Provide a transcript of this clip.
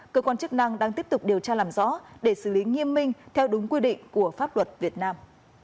cơ quan chức năng đang tiếp tục điều tra làm rõ để xử lý nghiêm minh theo đúng quy định của pháp luật việt nam